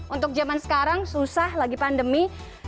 untuk zaman sekarang susah lagi pandemi